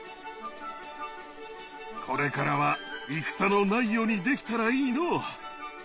これからは戦のない世にできたらいいのう。